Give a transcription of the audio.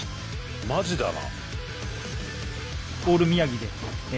マジだな！